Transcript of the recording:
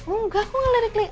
enggak aku gak lirik lirik